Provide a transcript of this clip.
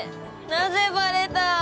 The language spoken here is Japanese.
なぜバレた。